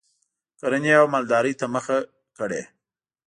کرنې او مالدارۍ ته مخه کړي